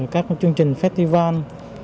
các chương trình festival